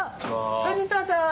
藤田さん